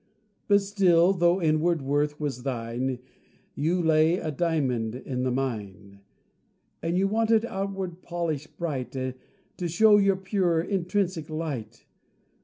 But still, though inward worth was thine, You lay a diamond in the mine: You wanted outward polish bright To show your pure intrinsic light.